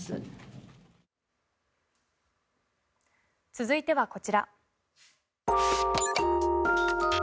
続いては、こちら。